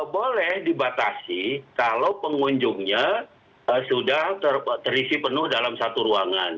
boleh dibatasi kalau pengunjungnya sudah terisi penuh dalam satu ruangan